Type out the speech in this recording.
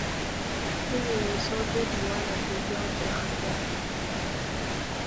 Il ne ressort que durant les périodes de rappel.